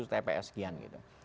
tps sekian gitu